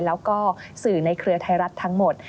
แล้วก็สื่อในเครือไทยรัฐทั้งหมด